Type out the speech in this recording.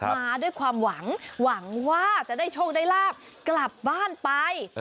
มาด้วยความหวังหวังว่าจะได้โชคได้ลาบกลับบ้านไป